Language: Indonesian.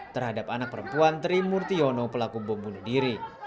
terhadap anak perempuan tri murtiono pelaku bom bunuh diri